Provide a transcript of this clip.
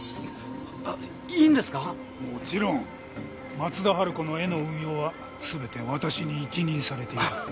松田春子の絵の運用は全て私に一任されている。